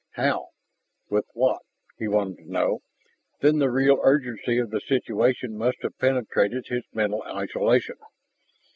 "How? With what?" he wanted to know. Then the real urgency of the situation must have penetrated his mental isolation.